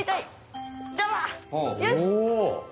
よし！